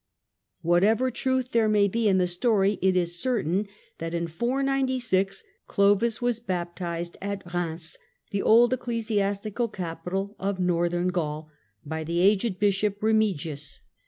Conversion Whatever truth there may be in the story, it is certain 496 that in 496 Clovis was baptised at Rheims, the old ecclesiastical capital of Northern Gaul, by the aged Bishop Remigius.